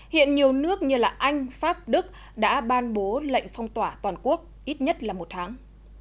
hiện nhiều nước như anh pháp đức đã ban bố lệnh phong tỏa toàn quốc ít nhất là một tháng